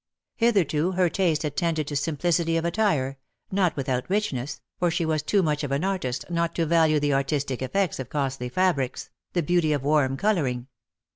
Hitherto her taste had tended to. simplicity of attire — not without richness — for she was too much of an artist not to value the artistic efi'ects of costly fabrics, the beauty of warm colouring.